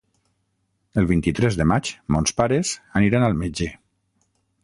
El vint-i-tres de maig mons pares aniran al metge.